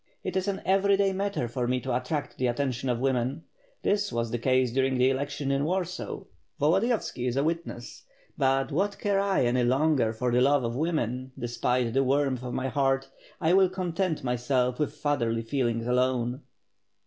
It is an every day matter for me to attract the at tention of w^men. This was the case during the election in Warsaw. Volodiyovski is a witness. But what care I any longer for the love of women, despite the warmth 'of my heart — ^I will content myself with fatherly feelings alone."